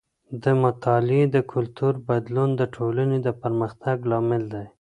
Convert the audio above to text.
د مطالعې د کلتور بدلون د ټولنې د پرمختګ لامل دی.